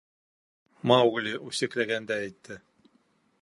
— Маугли үсекләгәндәй әйтте.